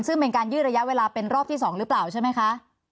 ซึ่งเป็นการยืดระยะเวลาเป็นรอบที่๒หรือเปล่าใช่ไหมคะ